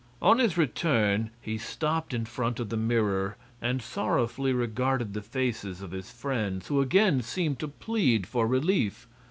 On his return he stopped in front of the mirror and sorrowfully regarded the faces of his friends, who again seemed to plead for relief.